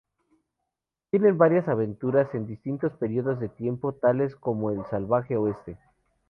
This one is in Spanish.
Tienen varias aventuras en distintos periodos de tiempo, tales como el Salvaje Oeste.